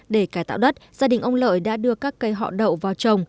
để cải tạo đất gia đình ông lợi đã đưa các cây họ đậu vào trồng